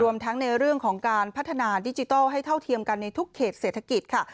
ทั้งในเรื่องของการพัฒนาดิจิทัลให้เท่าเทียมกันในทุกเขตเศรษฐกิจค่ะ